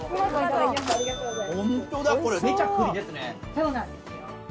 そうなんですよ。